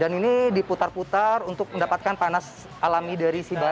dan ini diputar putar untuk mendapatkan panas alami dari si batu